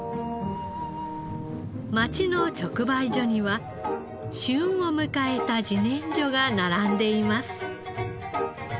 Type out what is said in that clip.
町の直売所には旬を迎えた自然薯が並んでいます。